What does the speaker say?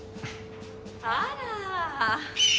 ・あら。